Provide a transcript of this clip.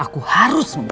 aku harus sembuh